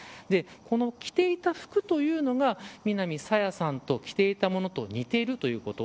着ていた服というのが南朝芽さんが着ていたものと似ているということ。